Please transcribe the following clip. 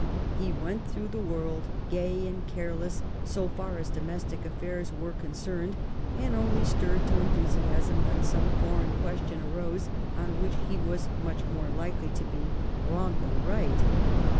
He went through the world gay and careless so far as domestic affairs were concerned, and only stirred to enthusiasm when some foreign question arose, on which he was much more likely to be wrong than right.